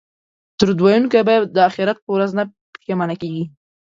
درود ویونکی به د اخرت په ورځ نه پښیمانه کیږي